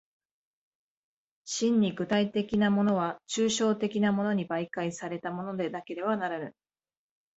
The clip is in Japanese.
真に具体的なものは抽象的なものに媒介されたものでなければならぬ。